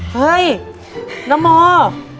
เฮ้ยน้อมอร์